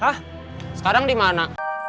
hah sekarang dimana